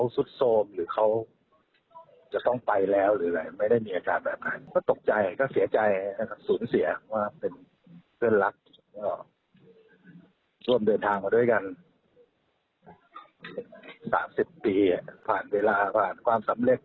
๓๐ปีผ่านเวลาผ่านความสำเร็จ